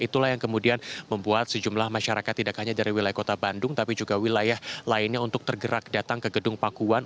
itulah yang kemudian membuat sejumlah masyarakat tidak hanya dari wilayah kota bandung tapi juga wilayah lainnya untuk tergerak datang ke gedung pakuan